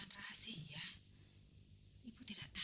banderanya gak tahan deh